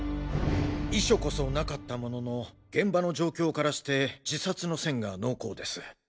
遺書こそなかったものの現場の状況からして自殺の線が濃厚です。